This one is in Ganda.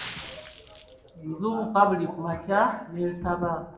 Nzuukuka buli ku makya ne nsaba.